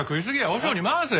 和尚に回せ！